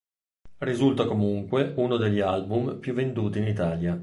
Risulta comunque uno degli album più venduti in Italia.